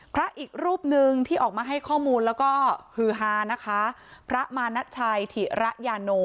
พระอีกรูปหนึ่งที่ออกมาให้ข้อมูลแล้วก็ฮือฮานะคะพระมาณชัยถิระยาโน